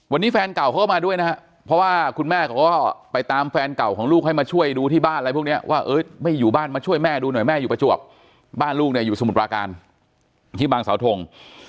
วันนี้แฟนเก่าเขาก็มาด้วยนะฮะเพราะว่าคุณแม่เขาก็ไปตามแฟนเก่าของลูกให้มาช่วยดูที่บ้านอะไรพวกนี้ว่าไม่อยู่บ้านมาช่วยแม่ดูหน่อยแม่อยู่ประจวบบ้านลูกเนี่ยอยู่สมุทรปราการที่บางสาวทง